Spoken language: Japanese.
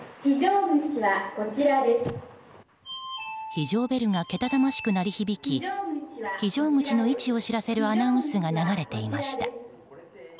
非常ベルがけたたましく鳴り響き非常口の位置を知らせるアナウンスが流れていました。